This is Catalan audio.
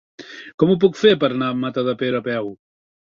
Com ho puc fer per anar a Matadepera a peu?